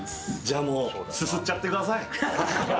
じゃあもうすすっちゃってください。